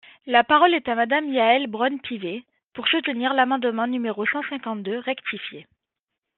La parole est à Madame Yaël Braun-Pivet, pour soutenir l’amendement numéro cent cinquante-deux rectifié.